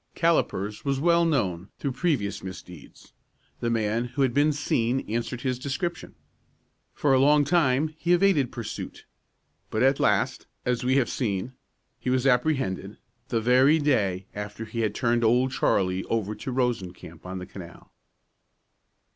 Callipers was well known through previous misdeeds. The man who had been seen answered his description. For a long time he evaded pursuit; but at last, as we have seen, he was apprehended, the very day after he had turned Old Charlie over to Rosencamp on the canal.